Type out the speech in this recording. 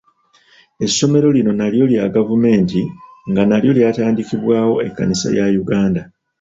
Essomero lino nalyo lya gavumenti nga nalyo ly'atandikibwawo ekkanisa ya Uganda.